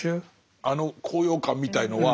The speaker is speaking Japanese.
あの高揚感みたいのは。